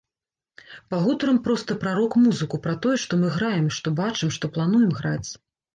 Пагутарым проста пра рок-музыку, пра тое, што мы граем, што бачым, што плануем граць.